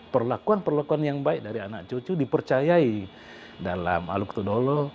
perlakuan perlakuan yang baik dari anak cucu dipercayai dalam aluk todolo